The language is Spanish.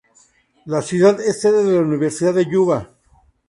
La ciudad es sede de la Universidad de Yuba.